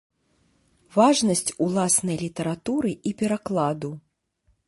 Важнасць уласнай літаратуры і перакладу.